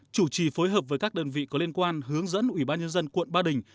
chủ trì phối hợp với các đơn vị có liên quan hướng dẫn ủy ban nhân dân quận ba đình